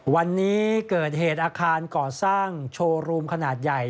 วันนี้เกิดเหตุอาคารก่อสร้างโชว์รูมขนาดใหญ่